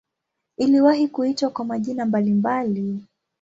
Iliwahi kuitwa kwa majina mbalimbali.